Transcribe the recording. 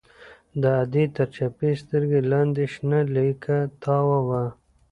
د ادې تر چپې سترگې لاندې شنه ليکه تاوه وه.